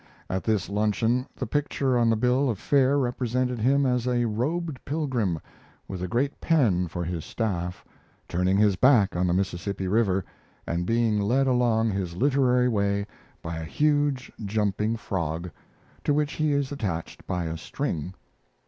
At this luncheon the picture on the bill of fare represented him as a robed pilgrim, with a great pen for his staff, turning his back on the Mississippi River and being led along his literary way by a huge jumping frog, to which he is attached by a string.